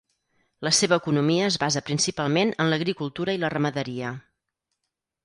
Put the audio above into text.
La seva economia es basa principalment en l'agricultura i la ramaderia.